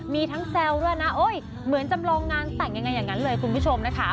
มีทั้งแซวด้วยนะเหมือนจำลองงานแต่งยังไงอย่างนั้นเลยคุณผู้ชมนะคะ